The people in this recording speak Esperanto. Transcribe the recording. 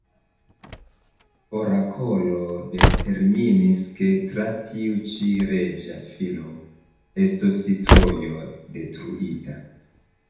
Orakolo determinis, ke tra tiu ĉi reĝa filo estos Trojo detruita.